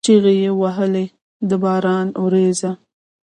چیغې یې وهلې: دا ده د باران ورېځه!